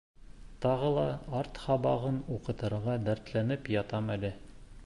Тағы ла арт һабағын уҡытырға дәртләнеп ятам әле...